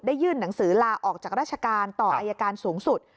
ยื่นหนังสือลาออกจากราชการต่ออายการสูงสุด